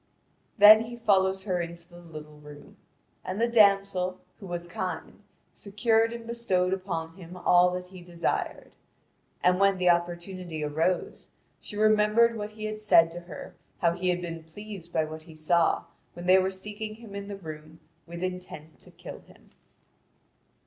Then he followed her into the little room. The damsel, who was kind, secured and bestowed upon him all that he desired. And when the opportunity arose, she remembered what he had said to her how he had been pleased by what he saw when they were seeking him in the room with intent to kill him.